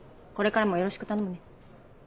これからもよろしく頼むね。